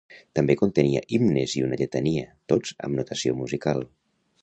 També contenia himnes i una lletania, tots amb notació musical.